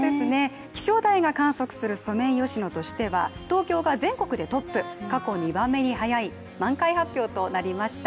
気象台が観測するソメイヨシノとしては、東京が全国でトップ、過去２番目に早い満開発表となりました。